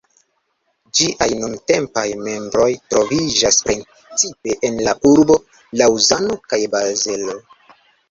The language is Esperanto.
Ĝiaj nuntempaj membroj troviĝas precipe en la urboj Laŭzano kaj Bazelo.